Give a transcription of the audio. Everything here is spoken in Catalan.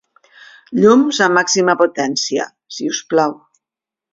Llums a màxima potència, si us plau.